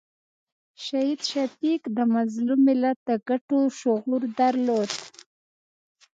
شهید شفیق د مظلوم ملت د ګټو شعور درلود.